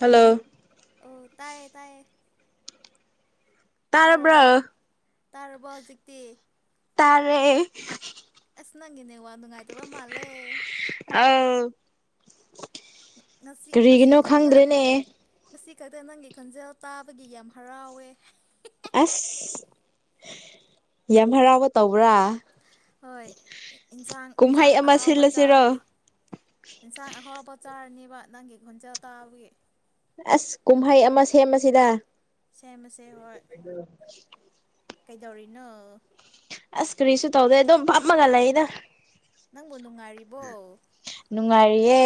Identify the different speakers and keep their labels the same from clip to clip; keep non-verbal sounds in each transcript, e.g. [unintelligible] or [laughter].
Speaker 1: Hello
Speaker 2: ꯑꯣ ꯇꯥꯏꯌꯦ ꯇꯥꯏꯌꯦ ꯇꯥꯔꯕꯣ
Speaker 1: ꯇꯥꯔꯕ꯭ꯔꯣ
Speaker 2: ꯇꯥꯔꯕꯣ ꯍꯧꯖꯤꯛꯇꯤ
Speaker 1: ꯇꯥꯔꯦ
Speaker 2: ꯑꯁ ꯅꯪꯒꯤ ꯅꯦꯠꯋꯥꯔꯛ ꯅꯨꯡꯉꯥꯏꯇꯕ ꯃꯥꯜꯂꯦ
Speaker 1: ꯑꯥꯎ
Speaker 2: ꯉꯁꯤ ꯉꯁꯤ
Speaker 1: ꯀꯔꯤꯒꯤꯅꯣ
Speaker 2: ꯈꯛꯇ
Speaker 1: ꯈꯪꯗ꯭ꯔꯦꯅꯦ
Speaker 2: ꯉꯁꯤ ꯈꯛꯇ ꯅꯪꯒꯤ ꯈꯣꯟꯖꯦꯜ ꯇꯥꯕꯒꯤ ꯌꯥꯝ ꯍꯔꯥꯎꯋꯦ
Speaker 1: ꯑꯁ ꯌꯥꯝ ꯍꯔꯥꯎꯕ ꯇꯧꯕ꯭ꯔꯥ
Speaker 2: ꯍꯣꯏ ꯏꯟꯁꯥꯡ ꯏꯟꯁꯥꯡ
Speaker 1: ꯀꯨꯝꯍꯩ ꯑꯃ
Speaker 2: ꯑꯍꯥꯎꯕ ꯆꯥꯔꯅꯤ
Speaker 1: ꯁꯤꯜꯂꯁꯤꯔꯣ
Speaker 2: ꯏꯟꯁꯥꯡ ꯑꯍꯥꯎꯕ ꯆꯥꯔꯅꯤꯕ ꯅꯪꯒꯤ ꯈꯣꯟꯖꯦꯜ ꯇꯥꯕꯒꯤ
Speaker 1: ꯑꯁ ꯀꯨꯝꯍꯩ ꯑꯃ ꯁꯦꯝꯃꯁꯤꯗꯥ
Speaker 2: ꯁꯦꯝꯃꯁꯦ ꯍꯣꯏ
Speaker 1: [unintelligible]
Speaker 2: ꯀꯩꯗꯧꯔꯤꯅꯣ
Speaker 1: ꯑꯁ ꯀꯔꯤꯁꯨ ꯇꯧꯗꯦ ꯑꯗꯨꯝ ꯐꯝꯃꯒ ꯂꯩꯌꯦꯗ
Speaker 2: ꯅꯪꯕꯨ ꯅꯨꯡꯉꯥꯏꯔꯤꯕꯣ
Speaker 1: ꯅꯨꯡꯉꯥꯏꯔꯤꯌꯦ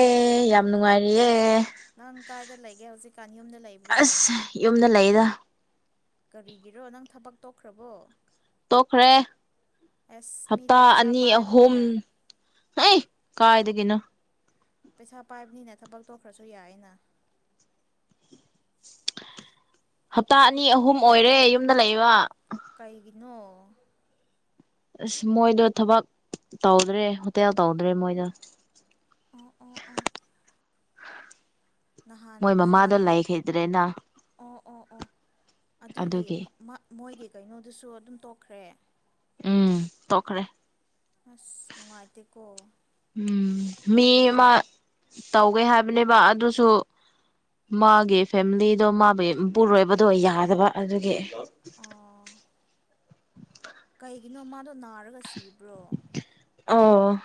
Speaker 1: ꯌꯥꯝ ꯅꯨꯡꯉꯥꯏꯔꯤꯌꯦ
Speaker 2: ꯅꯪ ꯀꯥꯏꯗ ꯂꯩꯒꯦ ꯍꯧꯖꯤꯛ ꯀꯥꯥꯟ ꯌꯨꯝꯗ ꯂꯩ__
Speaker 1: ꯑꯁ ꯌꯨꯝꯗ ꯂꯩꯌꯦꯗ
Speaker 2: ꯀꯔꯤꯒꯤꯔꯣ ꯅꯪ ꯊꯕꯛ ꯇꯣꯛꯈ꯭ꯔꯕꯣ
Speaker 1: ꯇꯣꯛꯈ꯭ꯔꯦ
Speaker 2: ꯑꯁ
Speaker 1: ꯍꯞꯇꯥ
Speaker 2: ꯃꯤꯗꯤ ꯄꯩꯁꯥ
Speaker 1: ꯑꯅꯤ ꯑꯍꯨꯝ
Speaker 2: ꯄꯥꯏꯕꯅꯤꯅ
Speaker 1: ꯑꯦꯡꯈ ꯀꯥꯏꯗꯒꯤꯅꯣ
Speaker 2: ꯄꯩꯁꯥ ꯄꯥꯏꯕꯅꯤꯅ ꯊꯕꯛ ꯇꯣꯛꯈ꯭ꯔꯁꯨ ꯌꯥꯏꯌꯦꯅ
Speaker 1: ꯍꯞꯇꯥ ꯑꯅꯤ ꯑꯍꯨꯝ ꯑꯣꯏꯔꯦ ꯌꯨꯝꯗ ꯂꯩꯕ
Speaker 2: ꯀꯩꯒꯤꯅꯣ
Speaker 1: ꯑꯁ ꯃꯣꯏꯗꯣ ꯊꯕꯛ ꯇꯧꯗ꯭ꯔꯦ ꯍꯣꯇꯦꯜ ꯇꯧꯗ꯭ꯔꯦ ꯃꯣꯏꯗꯣ
Speaker 2: ꯑꯣ ꯑꯣ ꯑꯣ ꯅꯍꯥꯟ
Speaker 1: ꯃꯣꯏ ꯃꯃꯥꯗꯣ
Speaker 2: ꯅꯍꯥꯟ
Speaker 1: ꯂꯩꯈꯤꯗ꯭ꯔꯦꯅ
Speaker 2: ꯑꯣ ꯑꯣ ꯑꯣ ꯑꯗꯨꯒꯤ ꯃ__ ꯃ ꯃꯣꯏꯒꯤ ꯀꯩꯅꯣꯗꯨꯁꯨ ꯑꯗꯨꯝ ꯇꯣꯛꯈ꯭ꯔꯦ
Speaker 1: ꯎꯝ ꯇꯣꯛꯈ꯭ꯔꯦ
Speaker 2: ꯑꯁ ꯅꯨꯡꯉꯥꯏꯇꯦꯀꯣ
Speaker 1: ꯎꯝ ꯃꯤ ꯑꯃ ꯇꯧꯒꯦ ꯍꯥꯏꯕꯅꯦꯕꯥ ꯑꯗꯨꯁꯨ ꯃꯥꯒꯤ ꯐꯦꯃꯤꯂꯤꯗꯣ ꯃꯥꯕꯨ ꯃꯄꯨꯔꯣꯏꯕꯗꯣ ꯌꯥꯗꯕ ꯑꯗꯨꯒꯤ
Speaker 2: ꯑꯥ ꯀꯩꯒꯤꯅꯣ ꯃꯥꯗꯣ ꯅꯥꯔꯒ ꯁꯤꯕ꯭ꯔꯣ
Speaker 1: ꯑꯧ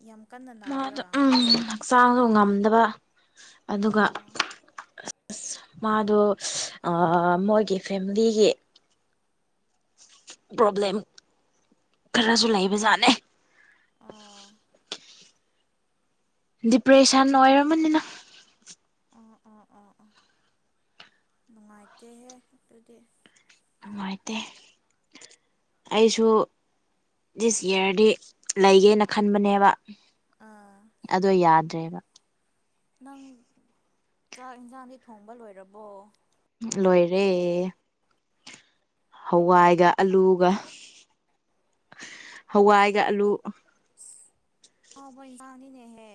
Speaker 2: ꯌꯥꯝ ꯀꯟꯅ
Speaker 1: ꯃꯥ ꯗꯨ
Speaker 2: ꯅꯥꯕ꯭ꯔꯥ
Speaker 1: ꯎꯝ
Speaker 2: ꯃꯥꯗꯣ
Speaker 1: ꯍꯛꯆꯥꯡꯗꯣ ꯉꯝꯗꯕ ꯑꯗꯨꯒ
Speaker 2: ꯑꯣ
Speaker 1: ꯃꯥꯗꯣ ꯑ ꯃꯣꯏꯒꯤ ꯐꯦꯃꯤꯂꯤꯒꯤ ꯄ꯭ꯔꯣꯕ꯭ꯂꯦꯝ ꯈꯔꯁꯨ ꯂꯩꯕꯖꯥꯠꯅꯦ
Speaker 2: ꯑꯥ
Speaker 1: ꯗꯤꯄ꯭ꯔꯦꯁꯟ ꯑꯣꯏꯔꯝꯃꯅꯤꯅ
Speaker 2: ꯑꯣꯥ ꯑꯣ ꯑꯣ ꯑꯣꯥ ꯅꯨꯡꯉꯥꯏꯇꯦꯍꯦ ꯑꯗꯨꯗꯤ
Speaker 1: ꯅꯨꯡꯉꯥꯏꯇꯦ ꯑꯩꯁꯨ ꯗꯤꯁ ꯌꯔꯗꯤ ꯂꯩꯒꯦꯅ ꯈꯟꯕꯅꯦꯕ
Speaker 2: ꯑꯥ
Speaker 1: ꯑꯗꯣ ꯌꯥꯗ꯭ꯔꯦꯕ
Speaker 2: ꯅꯪ ꯆꯥꯛ ꯢꯟꯁꯥꯡꯗꯤ ꯊꯣꯡꯕ ꯂꯣꯏꯔꯕꯣ
Speaker 1: ꯂꯣꯏꯔꯦ ꯍꯋꯥꯏꯒ ꯑꯂꯨꯒ ꯍꯋꯥꯏꯒ ꯑꯂꯨ
Speaker 2: ꯍꯥꯎꯕ ꯢꯟꯁꯥꯡ ꯅꯤꯅꯍꯦ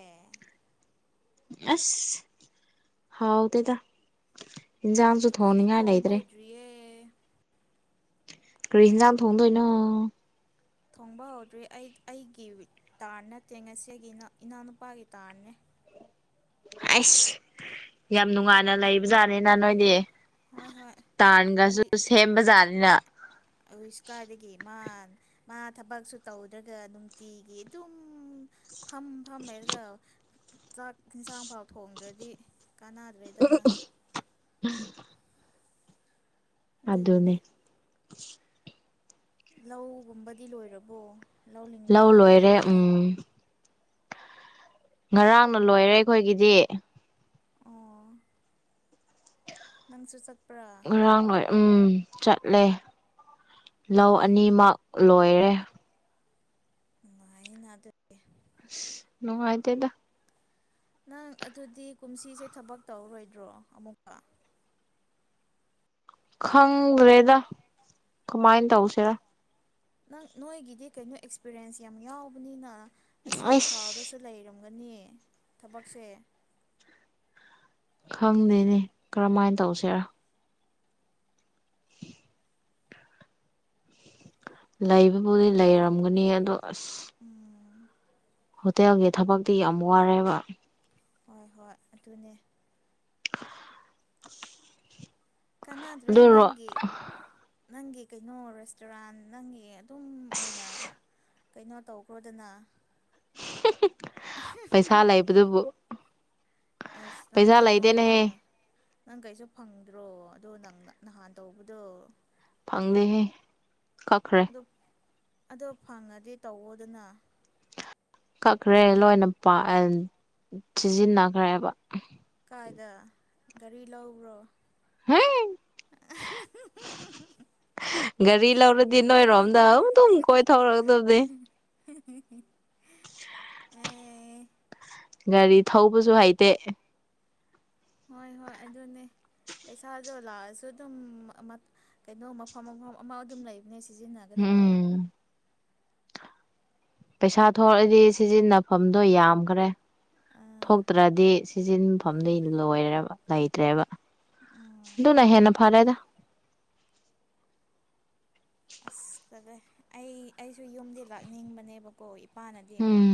Speaker 1: ꯑꯁ ꯍꯥꯎꯇꯦꯗ ꯏꯟꯖꯥꯡꯁꯨ ꯊꯣꯡꯅꯤꯡꯉꯥꯏ ꯂꯩꯇ꯭ꯔꯦ
Speaker 2: ꯇꯔꯤꯌꯦ
Speaker 1: ꯀꯔꯤ ꯑꯦꯟꯖꯥꯡ ꯊꯣꯡꯗꯣꯏꯅꯣ
Speaker 2: ꯊꯣꯡꯕ ꯍꯧꯗ꯭ꯔꯤ ꯑꯩ ꯑꯩꯒꯤ ꯇ꯭ꯔꯟ ꯅꯠꯇꯦ ꯉꯁꯤ ꯏꯅꯥꯎ ꯏꯅꯥꯎꯅꯨꯄꯥꯒꯤ ꯇꯥꯟꯅꯦ
Speaker 1: ꯍꯩꯁ ꯌꯥꯝ ꯅꯨꯡꯉꯥꯏꯅ ꯂꯩꯕꯖꯥꯠꯅꯤꯅ ꯅꯣꯏꯗꯤ
Speaker 2: ꯍꯣꯏ ꯍꯣꯏ
Speaker 1: ꯇ꯭ꯔꯟꯒꯁꯨ ꯁꯦꯝꯕꯖꯥꯠꯅꯤꯅ
Speaker 2: ꯑꯌꯤꯁ ꯀꯥꯏꯗꯒꯤ ꯃꯥꯥ ꯃꯥ ꯊꯕꯛꯁꯨ ꯇꯧꯗ꯭ꯔꯒ ꯅꯨꯡꯇꯤꯒꯤ ꯑꯗꯨꯝ ꯐꯝ ꯐꯝ ꯂꯩꯔꯒ ꯆꯥꯛ ꯏꯟꯁꯥꯡ ꯐꯥꯎ ꯊꯣꯡꯗ꯭ꯔꯗꯤ ꯀꯥꯟꯅꯗ꯭ꯔꯦꯗꯅꯥ
Speaker 1: ꯑꯗꯨꯅꯦ
Speaker 2: ꯑꯗꯨꯒꯤꯅꯦ ꯂꯧꯒꯨꯝꯕꯗꯤ ꯂꯣꯏꯔꯕꯣ ꯂꯧ ꯂꯤꯡꯕ ꯀꯩ
Speaker 1: ꯂꯣꯏꯔꯦ
Speaker 2: ꯀꯩ
Speaker 1: ꯎꯝ ꯉꯔꯥꯡꯅ ꯂꯣꯏꯔꯦ ꯑꯩꯈꯣꯏꯒꯤꯗꯤ
Speaker 2: ꯑꯣ ꯅꯪꯁꯨ ꯆꯠ
Speaker 1: ꯉꯔꯥꯡ ꯂꯣꯏ ꯎꯝ ꯆꯠꯂꯦ ꯂꯧ ꯑꯅꯤꯃꯛ ꯂꯣꯏꯔꯦ
Speaker 2: ꯅꯨꯉꯥꯏꯅꯥ ꯑꯗꯨ ꯑꯦ
Speaker 1: ꯏꯁ ꯅꯨꯡꯉꯥꯏꯇꯦꯗꯥ
Speaker 2: ꯅꯪ ꯑꯗꯨꯗꯤ ꯀꯨꯝꯁꯤꯁꯦ ꯊꯕꯛ ꯇꯧꯔꯔꯣꯏꯗ꯭ꯔꯣ ꯑꯃꯨꯛꯀ
Speaker 1: ꯈꯪꯗ꯭ꯔꯦꯗ ꯀꯃꯥꯏꯅ ꯇꯧꯁꯤꯔꯥ
Speaker 2: ꯅꯪ ꯅꯣꯏꯒꯤꯗꯤ ꯀꯩꯅꯣ ꯑꯦꯛꯁꯄꯤꯔꯤꯌꯦꯟꯁ ꯌꯥꯝ ꯌꯥꯎꯕꯅꯤꯅꯥ ꯑꯁꯤ
Speaker 1: ꯑꯩꯁ
Speaker 2: ꯏꯝꯐꯥꯜꯗꯁꯨ ꯂꯩꯔꯝꯒꯅꯤ ꯊꯕꯛꯁꯦ
Speaker 1: ꯈꯪꯗꯦꯅꯦ ꯀꯔꯝꯃꯥꯏꯅ ꯇꯧꯁꯤꯔꯥ [unintelligible] ꯂꯩꯕꯕꯨꯗꯤ ꯂꯩꯔꯝꯒꯅꯤ ꯑꯗꯣ ꯑꯁ
Speaker 2: ꯎꯝ
Speaker 1: ꯍꯣꯇꯦꯜꯒꯤ ꯊꯕꯛꯇꯤ ꯌꯥꯝ ꯋꯥꯔꯦꯕ
Speaker 2: ꯍꯣꯏ ꯍꯣꯏ ꯑꯗꯨꯅꯦ ꯀꯅꯥꯗ꯭ꯔꯦ
Speaker 1: ꯑꯗꯨꯔꯣ
Speaker 2: ꯅꯪꯒꯤ ꯅꯪꯒꯤ ꯀꯩꯅꯣ ꯔꯦꯁꯇꯨꯔꯥꯟ ꯅꯪꯒꯤ ꯑꯗꯨꯝ ꯑꯣꯏꯅ
Speaker 1: ꯑꯁ
Speaker 2: ꯀꯩꯅꯣ ꯇꯧꯈ꯭ꯔꯣꯗꯅ
Speaker 1: ꯄꯩꯁꯥ ꯂꯩꯕꯗꯨꯕꯨ
Speaker 2: ꯏꯁꯇꯪ
Speaker 1: ꯄꯩꯁꯥ ꯂꯩꯇꯦꯅꯦꯍꯦ
Speaker 2: ꯀꯩꯅꯣꯄꯉ ꯅꯪ ꯀꯩꯁꯨ ꯐꯪꯗ꯭ꯔꯣ ꯑꯗꯣ ꯅꯪ ꯅꯍꯥꯟ ꯇꯧꯕꯗꯣ
Speaker 1: ꯐꯪꯗ ꯍꯦ ꯀꯥꯈꯔ
Speaker 2: ꯑꯣ ꯐꯪꯉꯗꯤ ꯇꯧꯋꯣꯗꯅ
Speaker 1: ꯀꯛꯈ꯭ꯔꯦ ꯂꯣꯏꯅ ꯄ ꯁꯤꯖꯤꯟꯅꯈ꯭ꯔꯦꯕ
Speaker 2: ꯀꯥꯏꯗ ꯒꯥꯔꯤ ꯂꯧꯕ꯭ꯔꯣ [unintelligible]
Speaker 1: ꯒꯥꯔꯤ ꯂꯧꯔꯗꯤ ꯅꯣꯏꯔꯣꯝꯗ ꯑꯗꯨꯝ ꯀꯣꯏꯊꯧꯔꯛꯗꯕꯅꯦ
Speaker 2: [unintelligible] ꯑꯦ
Speaker 1: ꯒꯥꯔꯤ ꯊꯧꯕꯁꯨ ꯍꯩꯇꯦ
Speaker 2: ꯍꯣꯏ ꯍꯣꯏ ꯑꯗꯨꯅꯦ ꯄꯩꯁꯥꯗꯣ ꯂꯥꯛꯑꯁꯨ ꯑꯗꯨꯝ ꯀꯩꯅꯣ ꯃꯐꯝ ꯃꯐꯝ ꯑꯃ ꯑꯗꯨꯝ ꯂꯩꯕꯅꯦ ꯁꯤꯖꯤꯟꯅꯒ ꯍꯥꯏꯒꯗꯕ
Speaker 1: ꯎꯝ ꯄꯩꯁꯥ ꯊꯣꯛꯂꯛꯑꯗꯤ ꯁꯤꯖꯤꯟꯅꯐꯝꯗꯣ ꯌꯥꯝꯈ꯭ꯔꯦ ꯊꯣꯛꯇ꯭ꯔꯗꯤ ꯁꯤꯖꯤꯟꯐꯝꯗꯤ ꯂꯣꯏꯔꯦꯕ ꯂꯩꯇ꯭ꯔꯦꯕ
Speaker 2: ꯎꯝ
Speaker 1: ꯑꯗꯨꯅ ꯍꯦꯟꯅ ꯐꯔꯦꯗ
Speaker 2: ꯑꯁ ꯇꯂꯦ ꯑꯩ ꯑꯩꯁꯨ ꯌꯨꯝꯗꯤ ꯂꯥꯛꯅꯤꯡꯕꯅꯦꯕꯀꯣ ꯏꯄꯥꯅꯗꯤ
Speaker 1: ꯎꯝ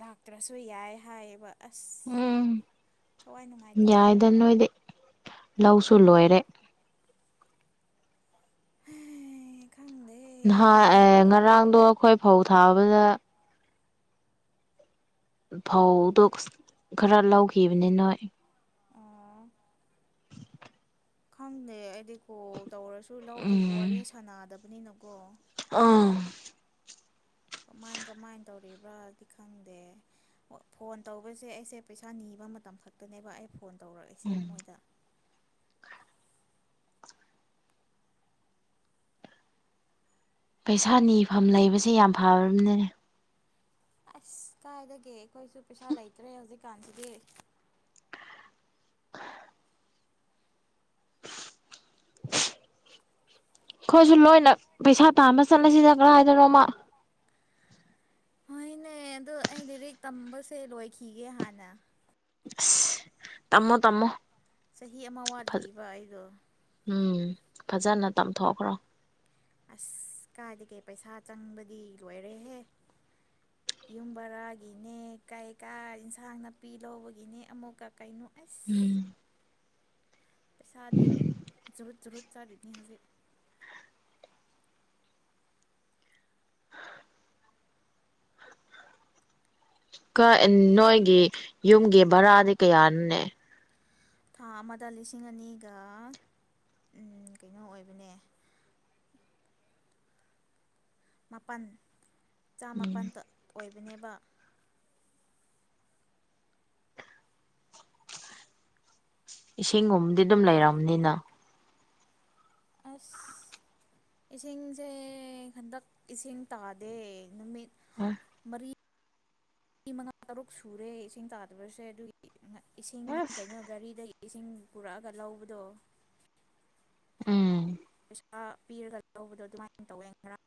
Speaker 2: ꯂꯥꯛꯇ꯭ꯔꯁꯨ ꯌꯥꯏ ꯍꯥꯏꯌꯦꯕ ꯑꯁ
Speaker 1: ꯎꯝ
Speaker 2: ꯊꯋꯥꯏ ꯅꯨꯡꯉꯥꯏꯇꯦꯍꯦ
Speaker 1: ꯌꯥꯏꯗ ꯅꯣꯏꯗꯤ ꯂꯧꯁꯨ ꯂꯣꯏꯔꯦ
Speaker 2: ꯈꯪꯗꯦ
Speaker 1: ꯅꯍꯥꯟ ꯉꯔꯥꯡꯗꯣ ꯑꯩꯈꯣꯏ ꯐꯧ ꯊꯥꯕꯗ ꯐꯧꯗꯣ ꯈꯔ ꯂꯧꯈꯤꯕꯅꯤ ꯅꯣꯏ
Speaker 2: ꯑꯥ ꯈꯪꯗꯦ ꯑꯩꯗꯤ ꯀꯣꯜ ꯇꯧꯔꯁꯨ ꯂꯧꯒꯤ
Speaker 1: ꯎꯝ
Speaker 2: ꯋꯥꯔꯤ ꯁꯥꯟꯅꯗꯕꯅꯤꯅꯀꯣ
Speaker 1: ꯑꯥ
Speaker 2: ꯀꯃꯥꯏ ꯀꯃꯥꯏꯅ ꯇꯧꯔꯤꯕ꯭ꯔꯥꯗꯤ ꯈꯪꯗꯦ ꯐꯣꯟ ꯇꯧꯕꯁꯦ ꯑꯩꯁꯦ ꯄꯩꯁꯥ ꯅꯤꯕ ꯃꯇꯝ ꯈꯛꯇꯅꯦꯕ ꯑꯩ ꯐꯣꯟ ꯇꯧꯔꯛꯏꯁꯦ ꯃꯣꯏꯗ
Speaker 1: ꯄꯩꯁꯥ ꯅꯤꯐꯝ ꯂꯩꯕꯁꯦ ꯌꯥꯝ ꯐꯅꯤꯅꯅꯦ
Speaker 2: ꯑꯁ ꯀꯥꯏꯒꯦ ꯑꯩꯈꯣꯏꯁꯨ ꯄꯩꯁꯥ ꯂꯩꯇ꯭ꯔꯦ ꯍꯧꯖꯤꯛꯀꯥꯟꯁꯤꯗꯤ
Speaker 1: ꯍ ꯑꯩꯈꯣꯏꯁꯨ ꯂꯣꯏꯅ ꯄꯩꯁꯥ ꯇꯥꯥꯟꯕ ꯆꯠꯂꯁꯤꯗ ꯀꯗꯥꯥꯏꯏꯗꯅꯣꯃ
Speaker 2: ꯍꯣꯏꯅꯦ ꯑꯗꯣ ꯑꯩ ꯂꯤꯔꯤꯛ ꯇꯝꯕꯁꯦ ꯂꯣꯏꯈꯤꯒꯦ ꯍꯥꯟꯅ
Speaker 1: ꯇꯃꯣ ꯇꯃꯣ
Speaker 2: ꯆꯍꯤ ꯑꯃ ꯋꯥꯠꯂꯤꯕ ꯑꯩꯗꯣ
Speaker 1: ꯎꯝ ꯐꯖꯅ ꯇꯝꯊꯣꯛꯈ꯭ꯔꯣ
Speaker 2: ꯑꯁ ꯀꯥꯏꯗꯒꯦ ꯄꯩꯁꯥ ꯆꯪꯕꯗꯤ ꯂꯣꯏꯔꯦꯍꯦ
Speaker 1: [unintelligible]
Speaker 2: ꯌꯨꯝ ꯕꯔꯥꯒꯤꯅꯦ ꯀꯩ ꯀꯥ ꯏꯟꯁꯥꯡ ꯅꯥꯄꯤ ꯂꯧꯕꯒꯤꯅꯦ ꯑꯃꯨꯛꯀ ꯀꯩꯅꯣ ꯑꯩꯁ
Speaker 1: ꯎꯝ
Speaker 2: ꯄꯩꯁꯥꯗꯤ ꯨꯔꯨꯠ ꯖꯨꯔꯠ ꯆꯥꯔꯤꯅꯤ ꯍꯧꯖꯤꯛ
Speaker 1: ꯅꯣꯏꯒꯤ ꯌꯨꯝꯒꯤ ꯚꯔꯥꯗꯤ ꯀꯌꯥꯅꯅꯦ
Speaker 2: ꯊꯥ ꯑꯃꯗ ꯂꯤꯁꯤꯡ ꯑꯅꯤꯒ ꯀꯩꯅꯣ ꯑꯣꯏꯕꯅꯦ ꯃꯥꯄꯜ ꯆꯥꯃꯄꯜ ꯑꯣꯏꯕꯅꯦꯕ
Speaker 1: ꯏꯁꯤꯡꯒꯨꯝꯕꯗꯤ ꯑꯗꯨꯝ ꯂꯩꯔꯕꯔꯕꯅꯤꯅ
Speaker 2: ꯑꯁ ꯏꯁꯤꯡꯁꯦ ꯍꯟꯗꯛ ꯏꯁꯤꯡ ꯇꯥꯗꯦ ꯅꯨꯃꯤꯠ ꯃꯔꯤ ꯃ ꯃꯉꯥ ꯇꯔꯨꯛ ꯁꯨꯔꯦ ꯏꯁꯤꯡ ꯇꯥꯗꯕꯁꯦ ꯑꯗꯨ ꯏꯁꯤꯡ
Speaker 1: ꯑꯁ
Speaker 2: ꯀꯩꯅꯣ ꯒꯥꯔꯤꯗꯒꯤ ꯏꯁꯤꯡ ꯄꯨꯔꯛꯑꯒ ꯂꯧꯕꯗꯣ
Speaker 1: ꯎꯝ
Speaker 2: ꯄꯩꯁꯥ ꯄꯤꯔꯒ ꯂꯧꯕꯗꯣ ꯑꯗꯨꯃꯥꯏꯅ ꯇꯧꯋꯦ ꯉꯔꯥꯡ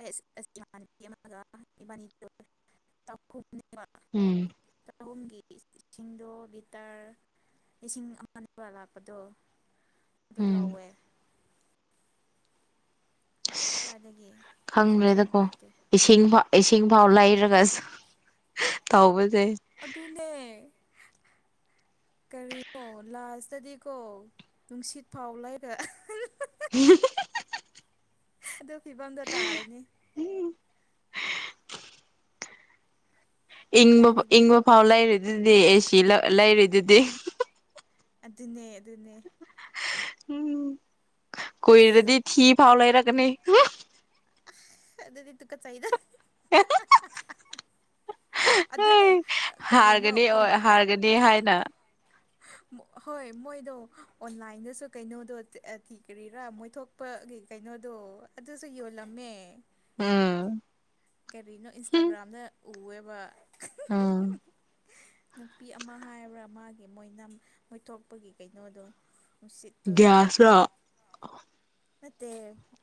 Speaker 2: ꯑꯦꯁ ꯑꯦꯁ ꯏꯃꯅꯕꯤ ꯑꯃꯒ ꯏꯕꯥꯅꯤ ꯇꯥꯡꯈꯨꯜꯅꯤꯕ ꯫
Speaker 1: ꯎꯝ
Speaker 2: ꯆꯍꯨꯝꯒꯤ ꯏꯁꯤꯡꯗꯣ ꯂꯏꯇꯥꯔ ꯂꯤꯁꯤꯡ ꯑꯃꯔ ꯂꯥꯛꯄꯗꯣ ꯑꯗꯨ
Speaker 1: ꯎꯝ
Speaker 2: ꯂꯧꯎꯋꯦ꯫ ꯈ꯭ꯋꯥꯏꯗꯒꯤ꯫
Speaker 1: ꯈꯪꯗ꯭ꯔꯦꯗꯀꯣ ꯏꯁꯤꯡ ꯏꯁꯤꯡ ꯐꯥꯎ ꯂꯩꯔꯒ ꯇꯧꯕꯁꯦ
Speaker 2: ꯑꯗꯨꯅꯦ ꯀꯔꯤꯅꯣ ꯂꯥꯁꯇꯗꯤꯀꯣ ꯅꯨꯡꯁꯤꯠ ꯐꯥꯎ ꯂꯩꯔ
Speaker 1: ꯍꯝ [unintelligible]
Speaker 2: ꯑꯗꯨ ꯐꯤꯕꯝꯗꯣ ꯇꯥꯔꯅꯤ
Speaker 1: ꯎꯝ ꯏꯪꯕ
Speaker 2: ꯀꯥꯏꯗꯒꯤ
Speaker 1: ꯏꯪꯕ ꯐꯥꯎ ꯂꯩꯔꯦꯗꯨꯗꯤ ꯑꯩ ꯁꯤ ꯂꯩꯔꯗꯨꯗꯤ
Speaker 2: ꯑꯗꯨꯅꯦ ꯑꯗꯨꯅꯦ꯫
Speaker 1: ꯎꯝ
Speaker 2: ꯑꯁ
Speaker 1: ꯀꯨꯏꯔꯗꯤ ꯊꯤ ꯐꯥꯎ ꯂꯩꯔꯛꯒꯅꯤ꯫
Speaker 2: ꯑꯁ ꯑꯗꯨꯗꯤ ꯇꯨꯀꯠꯆꯩꯗ
Speaker 1: [inaudible]
Speaker 2: ꯑꯗꯨꯅꯦ ꯀꯔꯤꯅꯣ
Speaker 1: ꯀꯔꯤꯍꯥꯏꯅ꯫
Speaker 2: ꯍꯣꯏ ꯃꯣꯏꯗꯣ ꯑꯣꯟꯂꯥꯏꯟꯗꯁꯨ ꯀꯩꯅꯣꯗꯣ ꯊꯤ ꯀꯔꯤꯔꯥ ꯃꯣꯏ ꯊꯣꯛ ꯒꯤ ꯀꯩꯅꯣꯗꯣ ꯑꯗꯨꯁꯨ ꯌꯣꯜꯂꯝꯃꯦ꯫
Speaker 1: ꯎꯝ꯫
Speaker 2: ꯀꯔꯤꯅꯣ ꯏꯟꯁꯇꯥꯒ꯭ꯔꯥꯝꯗ ꯎꯋꯦꯕ꯫
Speaker 1: ꯎꯝ
Speaker 2: ꯅꯨꯄꯤ ꯑꯃ ꯍꯥꯏꯕ꯭ꯔꯥ ꯃꯥꯒꯤ ꯃꯣꯏꯅꯝ ꯃꯣꯏꯊꯣꯛꯄꯒꯤ ꯀꯩꯅꯣꯗꯣ꯫ ꯅꯨꯡꯁꯤꯠꯇꯣ
Speaker 1: ꯒꯤꯌꯥꯁꯂꫭ꯫
Speaker 2: ꯅꯠꯇꯦ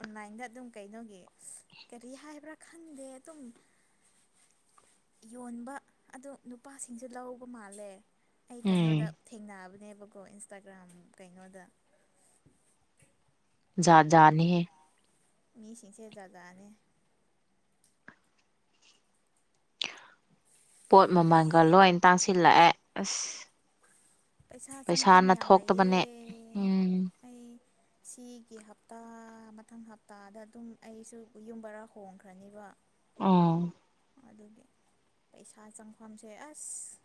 Speaker 2: ꯑꯣꯟꯂꯥꯏꯟꯗ ꯑꯗꯨꯝ ꯀꯩꯅꯣꯒꯤ ꯀꯔꯤ ꯍꯥꯏꯕ꯭ꯔꯥ ꯈꯪꯗꯦ ꯑꯗꯨꯝ ꯌꯣꯟꯕ ꯑꯗꯨ ꯅꯨꯄꯥꯁꯤꯡꯁꯨ ꯂꯧꯕ ꯃꯥꯜꯂꯦ ꯑꯩ ꯀꯩꯅꯣꯗ
Speaker 1: ꯎꯝ
Speaker 2: ꯊꯦꯡꯅꯕꯅꯦꯕꯀꯣ ꯏꯟꯁꯇꯥꯒ꯭ꯔꯥꯝ ꯀꯩꯅꯣꯗ꯫
Speaker 1: ꯖꯥꯠ ꯖꯥꯠꯅꯤꯍꯦ
Speaker 2: ꯃꯤꯁꯤꯡꯁꯦ ꯖꯥꯖꯅꯦ꯫ [unintelligible]
Speaker 1: ꯄꯣꯠ ꯃꯃꯜꯒ ꯂꯣꯏ ꯇꯥꯡꯁꯤꯜꯂꯛꯑꯦ ꯑꯁ꯫
Speaker 2: ꯄꯩꯁꯥ ꯆꯪꯐꯝ
Speaker 1: ꯄꯩꯁꯥꯅ
Speaker 2: ꯌꯥꯝ ꯂꯩꯌꯦ
Speaker 1: ꯊꯣꯛꯇꯕꯅꯦ ꯎꯝ
Speaker 2: ꯑꯩ꯫ ꯁꯤꯒꯤ ꯍꯞꯇꯥ ꯃꯊꯪ ꯍꯞꯇꯥꯗ ꯑꯗꯨꯝ ꯑꯩꯁꯨ ꯌꯨꯝ ꯕꯔꯥ ꯍꯣꯡꯈ꯭ꯔꯅꯤꯕ꯫
Speaker 1: ꯎꯝ꯫
Speaker 2: ꯑꯗꯨꯒꯤ ꯄꯩꯁꯥ ꯆꯪꯐꯝꯁꯦ ꯑꯁ꯫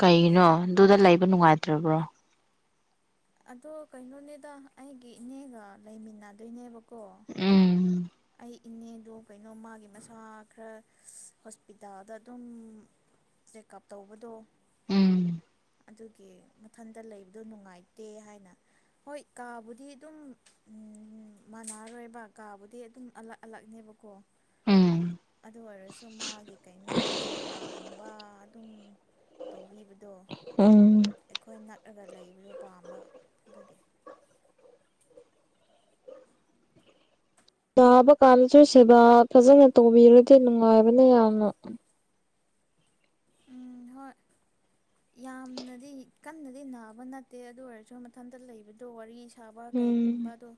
Speaker 2: ꯌꯥꯝ ꯂꯩꯌꯦ
Speaker 1: ꯑꯗꯨꯗ ꯂꯩꯕ ꯅꯨꯡꯉꯥꯏꯇ꯭ꯔꯕ꯭ꯔꯣ꯫
Speaker 2: ꯑꯗꯣ ꯀꯩꯅꯣꯅꯦꯗ ꯑꯩꯒꯤ ꯏꯅꯦꯒ ꯂꯩꯃꯤꯟꯅꯗꯣꯏꯅꯦꯕꯀꯣ꯫
Speaker 1: ꯎꯝ꯫
Speaker 2: ꯑꯩ ꯏꯅꯦꯗꯣ ꯀꯩꯅꯣ ꯃꯥꯒꯤ ꯃꯁꯥ ꯈꯔ ꯍꯣꯁꯄꯤꯇꯥꯜꯗ ꯑꯗꯨꯝ ꯆꯦꯛꯑꯞ ꯇꯧꯕꯗꯣ
Speaker 1: ꯎꯝ꯫
Speaker 2: ꯑꯗꯨꯒꯤ ꯃꯊꯟꯇ ꯂꯩꯕꯗꯣ ꯅꯨꯡꯉꯥꯏꯇꯦ ꯍꯥꯏꯅ ꯍꯣꯏ ꯀꯥꯕꯨꯗꯤ ꯑꯗꯨꯝ ꯃꯥꯟꯅꯔꯣꯏꯕ ꯀꯥꯕꯨꯗꯤ ꯑꯗꯨꯝ ꯑꯂꯛ ꯑꯂꯛꯅꯦꯕꯀꯣ꯫
Speaker 1: ꯎꯝ꯫
Speaker 2: ꯑꯗꯨ ꯑꯣꯏꯔꯁꯨ ꯃꯥꯒꯤ ꯀꯩꯅꯣ ꯁꯦꯕꯥꯒꯨꯝꯕ ꯑꯗꯨꯝ ꯇꯧꯕꯤꯕꯗꯣ
Speaker 1: ꯎꯝ
Speaker 2: ꯑꯩꯈꯣꯏ ꯅꯛꯂꯒ ꯂꯩꯕꯗꯨ ꯄꯥꯝꯕ ꯑꯗꯨꯒꯤ
Speaker 1: ꯇꯥꯕ ꯀꯥꯟꯗꯁꯨ ꯁꯦꯕꯥ ꯐꯖꯅ ꯇꯧꯕꯤꯔꯗꯤ ꯅꯨꯡꯉꯥꯏꯕꯅꯦ ꯌꯥꯝꯅ
Speaker 2: ꯎꯝ ꯍꯣꯏ ꯌꯥꯝꯅꯗꯤ ꯀꯟꯅꯗꯤ ꯅꯥꯕ ꯅꯠꯇꯦ ꯑꯗꯨ ꯑꯣꯏꯔꯁꯨ ꯃꯊꯟꯇ ꯂꯩꯕꯗꯣ ꯋꯥꯔꯤ ꯊꯥꯕꯛ
Speaker 1: ꯎꯝ
Speaker 2: ꯀꯩꯒꯨꯝꯕꯗꯣ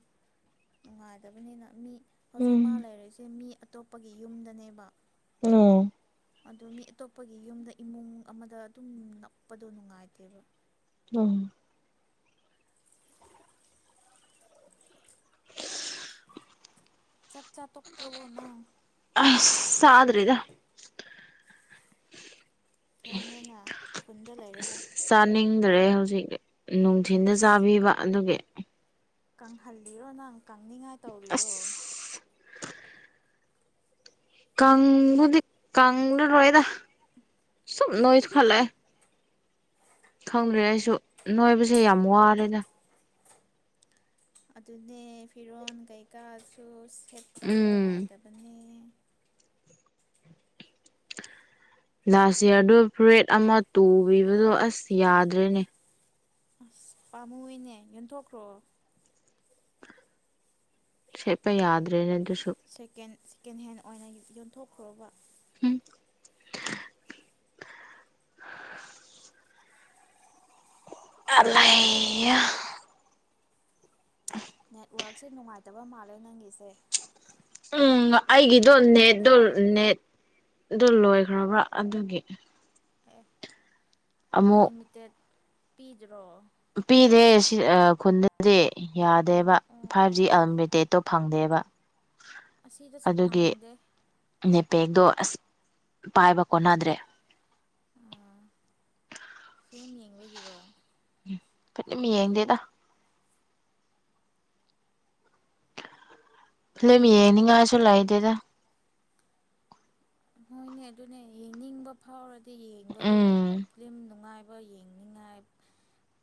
Speaker 2: ꯅꯨꯡꯉꯥꯏꯗꯕꯅꯤꯅ ꯃꯤ ꯍꯧꯖꯤꯛ ꯃꯥ
Speaker 1: ꯎꯝ
Speaker 2: ꯂꯩꯔꯛꯏꯁꯦ ꯃꯤ ꯑꯇꯣꯞꯄꯒꯤ ꯌꯨꯝꯗꯅꯦꯕ
Speaker 1: ꯎꯝ
Speaker 2: ꯑꯗꯣ ꯃꯤ ꯑꯇꯣꯞꯄꯒꯤ ꯌꯨꯝꯗ ꯏꯃꯨꯡ ꯑꯃꯗ ꯑꯗꯨꯝ ꯅꯞꯄꯗꯣ ꯅꯨꯉꯥꯏꯇꯦꯕ
Speaker 1: [unintelligible]
Speaker 2: ꯆꯥꯛꯆꯥ ꯇꯣꯛꯄ꯭ꯔꯣ ꯅꯪ
Speaker 1: ꯑꯁ ꯆꯥꯗ꯭ꯔꯤꯗ
Speaker 2: ꯊꯦꯡꯍꯦꯅ ꯈꯨꯟꯗ ꯂꯩꯔꯒꯦ
Speaker 1: ꯆꯥꯅꯤꯡꯗ꯭ꯔꯦ ꯍꯧꯖꯤꯛ ꯅꯨꯡꯊꯤꯟꯗ
Speaker 2: ꯏꯁ
Speaker 1: ꯆꯥꯕꯤꯕ ꯑꯗꯨꯒꯤ
Speaker 2: ꯀꯪꯍꯜꯂꯤꯔꯣ ꯅꯪ ꯀꯪꯅꯤꯡꯉꯥꯏ ꯇꯧꯔꯤꯔꯣ
Speaker 1: ꯑꯁ ꯀꯪꯕꯨꯗꯤ ꯀꯪꯂꯔꯣꯏꯗ ꯁꯨꯝ ꯅꯣꯏꯈꯠꯂꯛꯑꯦ ꯈꯪꯗ꯭ꯔꯦ ꯑꯩꯁꯨ ꯅꯣꯏꯕꯁꯦ ꯌꯥꯝ ꯋꯥꯔꯦꯗ
Speaker 2: ꯑꯗꯨꯅꯦ ꯐꯤꯔꯣꯜ ꯀꯩꯀꯥꯁꯨ ꯁꯦꯠꯄꯗꯣ
Speaker 1: ꯎꯝ
Speaker 2: ꯅꯨꯡꯉꯥꯏꯇꯕꯅꯦ
Speaker 1: ꯂꯥꯁ ꯏꯌꯥꯔꯗꯨꯣ ꯐꯨꯔꯤꯠ ꯑꯃ ꯇꯨꯕꯤꯕꯗꯣ ꯑꯁ ꯌꯥꯗ꯭ꯔꯦꯅꯦ
Speaker 2: ꯑꯁ ꯄꯥꯝꯃꯨꯏꯅꯦ ꯌꯣꯟꯊꯣꯛꯈ꯭ꯔꯣ
Speaker 1: ꯁꯦꯠꯄ ꯌꯥꯗ꯭ꯔꯦꯅꯦ ꯑꯗꯨꯁꯨ
Speaker 2: ꯁꯦꯀꯦꯟ ꯁꯦꯀꯦꯟ ꯍꯦꯟꯗ ꯑꯣꯏꯅ ꯌꯣꯟꯊꯣꯛꯈ꯭ꯔꯕ
Speaker 1: [unintelligible] [unintelligible]
Speaker 2: ꯅꯦꯠꯋꯔꯛꯁꯦ ꯅꯨꯡꯉꯥꯏꯇꯕ ꯃꯥꯜꯂꯦ ꯅꯪꯒꯤꯁꯦ
Speaker 1: ꯎꯝ ꯑꯩꯒꯤꯗꯣ ꯅꯦꯠ ꯅꯦꯠꯗꯣ ꯂꯣꯏꯈ꯭ꯔꯕ꯭ꯔꯥ ꯑꯗꯨꯒꯤ
Speaker 2: ꯑꯦ
Speaker 1: ꯑꯃꯨꯛ
Speaker 2: ꯑꯟꯂꯤꯃꯤꯇꯦꯠ ꯄꯤꯗ꯭ꯔꯣ
Speaker 1: ꯄꯤꯗꯦ ꯁꯤ ꯈꯨꯟꯗ [unintelligible]
Speaker 2: ꯑꯣ
Speaker 1: ꯌꯥꯗꯦꯕ
Speaker 2: ꯑꯣ
Speaker 1: ꯐꯥꯏꯚ
Speaker 2: ꯑꯣ
Speaker 1: ꯖꯤ
Speaker 2: ꯑꯣ
Speaker 1: ꯑꯜꯂꯤꯃꯤꯇꯦꯠꯇꯣ ꯐꯪꯗꯦꯕ
Speaker 2: ꯑꯁꯤꯗꯁꯨ ꯐꯪꯗꯦ
Speaker 1: ꯅꯦꯠ ꯄꯦꯛꯇꯣ ꯑꯁ ꯄꯥꯏꯕ ꯀꯣꯟꯅꯗ꯭ꯔꯦ
Speaker 2: ꯑꯣ ꯐꯤꯂꯝ ꯌꯦꯡꯕꯒꯤꯔꯣ
Speaker 1: ꯎꯝ ꯐꯤꯂꯝ ꯌꯦꯡꯗꯦꯗ ꯐꯤꯂꯝ ꯌꯦꯡꯅꯤꯡꯉꯥꯏꯁꯨ ꯂꯩꯇꯦꯗ
Speaker 2: ꯍꯣꯏꯅꯦ ꯑꯗꯨꯅꯦ ꯌꯦꯡꯅꯤꯡꯕ ꯐꯥꯎꯔꯗꯤ ꯌꯦꯡꯕꯗꯣ
Speaker 1: ꯎꯝ
Speaker 2: ꯐꯤꯂꯝ ꯅꯨꯡꯉꯥꯏꯕ ꯕꯥꯏ ꯌꯦꯡꯅꯤꯡꯉꯥꯏꯕ